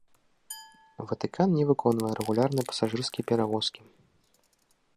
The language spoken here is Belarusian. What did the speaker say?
Ватыкан не выконвае рэгулярныя пасажырскія перавозкі.